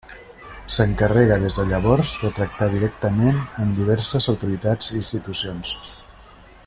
S'encarrega des de llavors de tractar directament amb diverses autoritats i institucions.